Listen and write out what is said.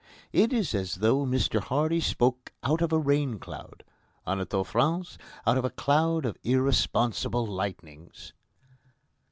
It is as though Mr Hardy spoke out of a rain cloud; Anatole France out of a cloud of irresponsible lightnings.